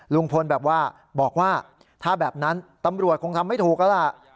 ลุงพลแบบว่าบอกว่าถ้าแบบนั้นตำรวจคงทำไม่ถูกแล้วล่ะ